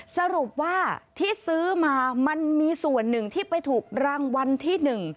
สรุปว่าที่ซื้อมามันมีส่วนหนึ่งที่ไปถูกรางวัลที่หนึ่ง